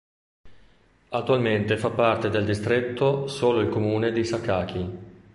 Attualmente fa parte del distretto solo il comune di Sakaki.